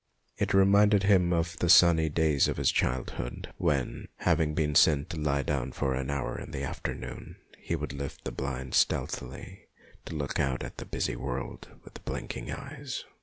It reminded him of the sunny days of his childhood, when, having been sent to lie down for an hour in the afternoon, he would lift the blind stealthily to look out at the busy world with blinking eyes.